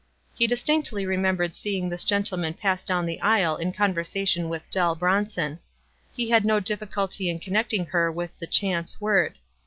He distinct ly remembered seeing this gentleman pass down the aisle in conversation with Dell Bronson. He had no difficulty in connecting her with the "chance word."